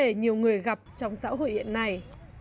vấn đề nhiều người gặp trong xã hội hiện nay